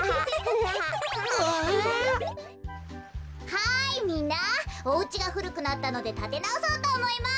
はいみんなおうちがふるくなったのでたてなおそうとおもいます！